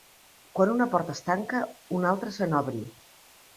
Quan una porta es tanca, una altra se n'obri.